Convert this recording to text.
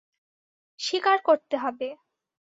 শিকার করতে হবে।